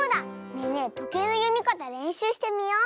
ねえねえとけいのよみかたれんしゅうしてみよう！